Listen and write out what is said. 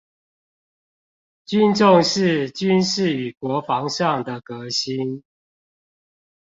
均重視軍事與國防上的革新